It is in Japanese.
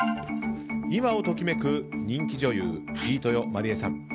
今を時めく人気女優飯豊まりえさん。